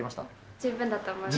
十分だと思います。